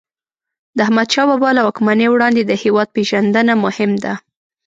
د احمدشاه بابا له واکمنۍ وړاندې د هیواد پېژندنه مهم ده.